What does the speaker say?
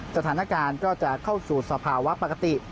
สถานการณ์ก็จะเข้าสู่สภาวะปกติ